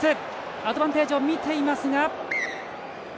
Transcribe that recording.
アドバンテージをみていますが。